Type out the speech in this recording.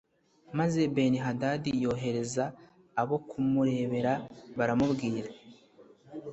maze Benihadadi yohereza abo kumurebera baramubwira